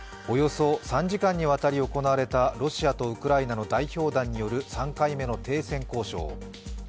およそ３時間にわたり行われたロシアとウクライナの代表団による３回目の停戦交渉。